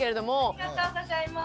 ありがとうございます。